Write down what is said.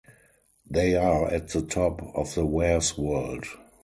They are at the top of the warez world.